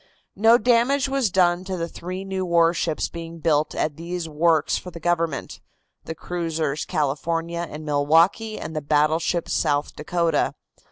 No damage was done to the three new warships being built at these works for the government, the cruisers California and Milwaukee and the battleship South Dakota.